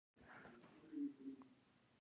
که ووایو بېوزلي له جغرافیوي عواملو سره تړلې ده.